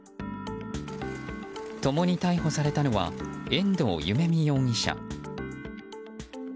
共に逮捕されたのは遠藤夢実容疑者。